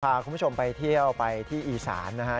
พาคุณผู้ชมไปเที่ยวไปที่อีสานนะฮะ